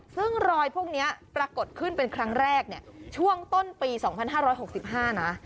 ซึ่งรอยพวกเนี้ยปรากฏขึ้นเป็นครั้งแรกเนี่ยช่วงต้นปีสองพันห้าร้อยหกสิบห้านะ